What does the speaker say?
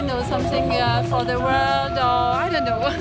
ไม่รู้ผมต้องฟังแต่ผมไม่รู้